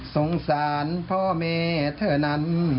สงสารพ่อแม่เธอนั้น